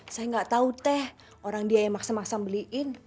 saya nggak tahu teh orang dia yang maksa maksa beliin